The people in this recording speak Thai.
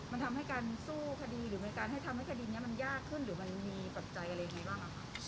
มันทำให้การสู้คดีหรือเป็นการให้ทำให้คดีนี้มันยากขึ้นหรือมันมีปัจจัยอะไรอย่างนี้บ้าง